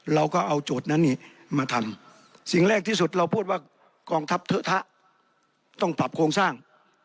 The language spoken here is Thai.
เราก็เอาโจทย์นั้นนี่มาทำสิ่งแรกที่สุดเราพูดว่ากองทัพเทอะทะต้องปรับโครงสร้าง